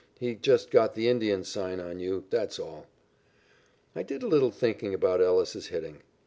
He's just got the Indian sign on you. That's all." I did a little thinking about Ellis's hitting.